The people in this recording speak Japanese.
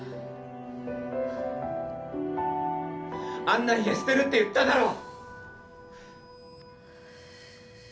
あんな家捨てるって言っただろ！